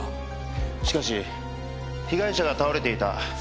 しかし被害者が倒れていた